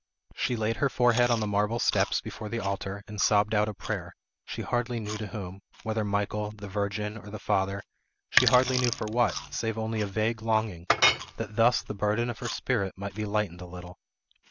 She laid her forehead on the marble steps before the altar, and sobbed out a prayer; she hardly knew to whom, whether Michael, the Virgin, or the Father; she hardly knew for what, save only a vague longing, that thus the burden of her spirit might be lightened a little.